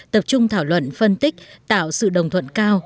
tập trung thảo luận phân tích tạo sự đồng thuận cao